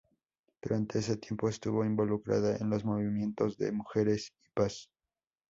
Durante ese tiempo estuvo involucrada en los movimientos de mujeres y paz.